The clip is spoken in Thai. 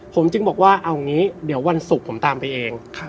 ผมจึงบอกว่าเอางี้เดี๋ยววันศุกร์ผมตามไปเอง